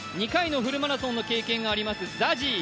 ２回のフルマラソンの経験があります